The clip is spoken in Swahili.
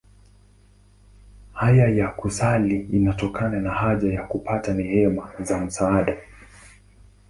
Haja ya kusali inatokana na haja ya kupata neema za msaada.